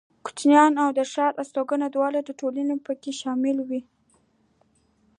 کوچيان او ښاري استوگن دواړه ټولنې پکې شاملې وې.